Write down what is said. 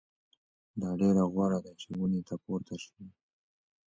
دا ډېره غوره ده چې ونې ته پورته شئ.